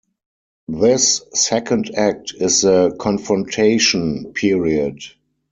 This second act is the 'Confrontation' period.